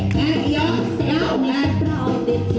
ต้องลองให้ไหว